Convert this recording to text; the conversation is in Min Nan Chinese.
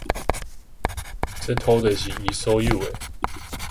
這土地是伊所有的